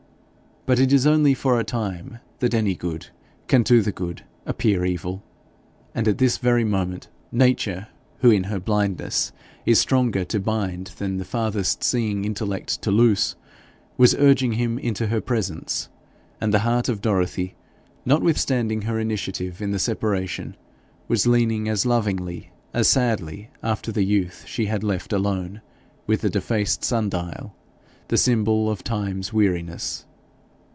But it is only for a time that any good can to the good appear evil, and at this very moment, Nature, who in her blindness is stronger to bind than the farthest seeing intellect to loose, was urging him into her presence; and the heart of Dorothy, notwithstanding her initiative in the separation, was leaning as lovingly, as sadly after the youth she had left alone with the defaced sun dial, the symbol of Time's weariness.